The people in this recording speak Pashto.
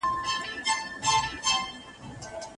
صالحه ميرمن د خاوند او کورنۍ سره وفاداره وي.